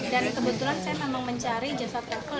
dan kebetulan saya memang mencari jasa travel